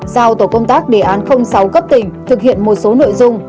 giao tổ công tác đề án sáu cấp tỉnh thực hiện một số nội dung